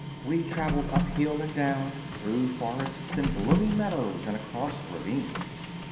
We travelled up hill and down, through forests and blooming meadows and across ravines.